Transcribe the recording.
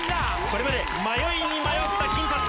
これまで迷いに迷った金髪。